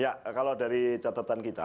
ya kalau dari catatan kita